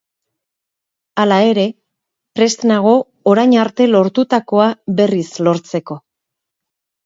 Hala ere, prest nago orain arte lortutakoa berriz lortzeko.